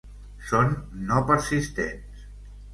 Són no persistents.